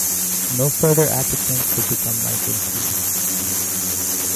No further applicants could become licensees.